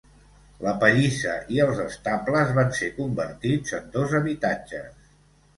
La pallissa i els estables van ser convertits en dos habitatges.